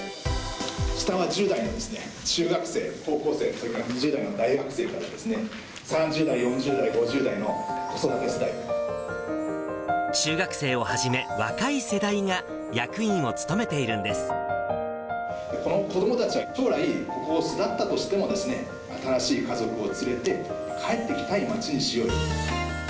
下が１０代の中学生、高校生、それから２０代の大学生からですね、３０代、４０代、５０代の子中学生をはじめ、若い世代がこの子どもたちは将来、ここを巣立ったとしても、新しい家族を連れて帰ってきたい街にしようと。